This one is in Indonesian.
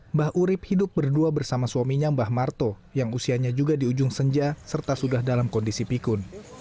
mbah urip hidup berdua bersama suaminya mbah marto yang usianya juga di ujung senja serta sudah dalam kondisi pikun